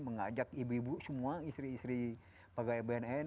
mengajak ibu ibu semua istri istri pegawai bnn